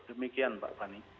demikian mbak fani